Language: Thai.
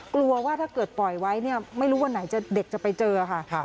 กลัวว่าถ้าเกิดปล่อยไว้เนี่ยไม่รู้วันไหนเด็กจะไปเจอค่ะ